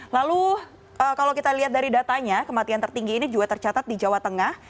lalu kalau kita lihat dari datanya kematian tertinggi ini juga tercatat di jawa tengah